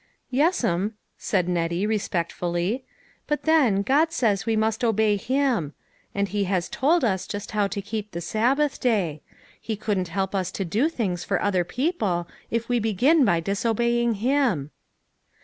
" Yes'm," said Nettie, respectfully. " But then, God says we must obey him ; and he has told us just how to keep the Sabbath day. He couldn't help us to do things for other peo ple, if we begin by disobeying Him."